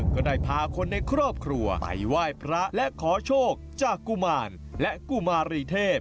ก็ได้พาคนในครอบครัวไปไหว้พระและขอโชคจากกุมารและกุมารีเทพ